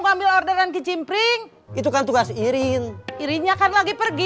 ngambil orderan kecimpring itu kan tugas irene irene akan lagi pergi